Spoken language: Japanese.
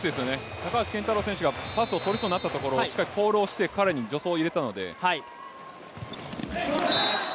高橋健太郎選手がパスをとるとなったところにしっかりコールをして彼に助走を入れたので。